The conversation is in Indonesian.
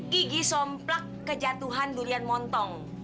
gigi somplak kejatuhan durian montong